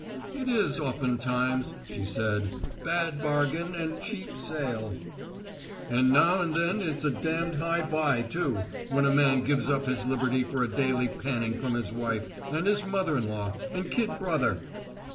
"It is oftentimes," she said. "Bad bargain and cheap sale." "And now and then it's a damned high buy, too, when a man gives up his liberty for a daily panning from his wife, and his mother in law, and kid brother."